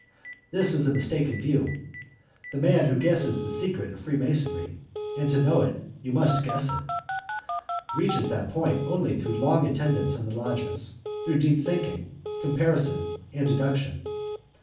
This is a mistaken view: the man who guesses the secret of Freemasonry, and to know it you must guess it, reaches that point only through long attendance in the lodges, through deep thinking, comparison, and deduction.